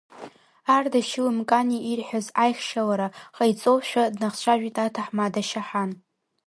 Ардашьыли Мкани ирҳәаз аихшьалара ҟаиҵошәа, днахцәажәеит аҭаҳмада Шьаҳан.